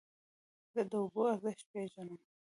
زه د اوبو ارزښت پېژنم.